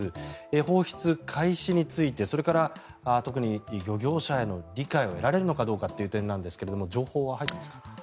放出開始についてそれから特に漁業者への理解を得られるのかどうかという点ですが情報は入ってますか？